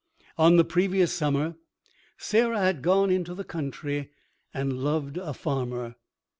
On the previous summer Sarah had gone into the country and loved a farmer.